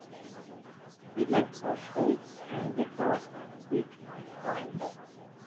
The legs are straight, and the toes and feet are pointed.